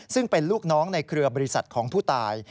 ซึ่งเป็นลูกน้องในเครือบริษัทของผู้ตาย